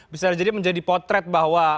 bisa jadi menjadi potret bahwa